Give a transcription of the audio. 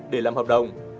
để làm hợp đồng